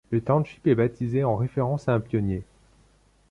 Le township est baptisé en référence à un pionnier.